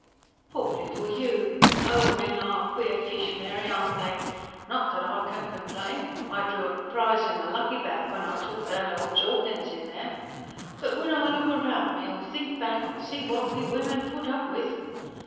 "Poor little you! Oh! men are queer fish, Mary, aren't they? Not that I can complain; I drew a prize in the lucky bag when I took that old Jawkins in there. But when I look round me, or think back, and see what we women put up with!